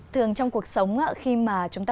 thường trong cuộc sống khi mà chúng ta